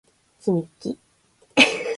つみき